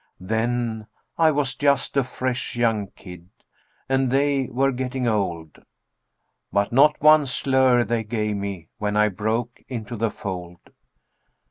Then I was just a fresh young kid, and they were getting old, But not one slur they gave me when I broke into the fold.